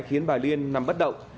khiến bà liên nằm bất động